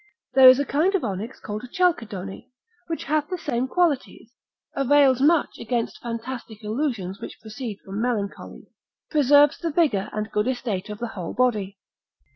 There is a kind of onyx called a chalcedony, which hath the same qualities, avails much against fantastic illusions which proceed from melancholy, preserves the vigour and good estate of the whole body.